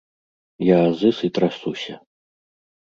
Я азыз і трасуся.